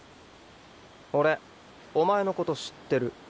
俺お前のこと知ってる。